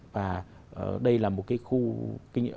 và đây là một cái khu